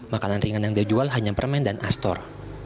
makanan ringan yang dia jual hanya permen dan astor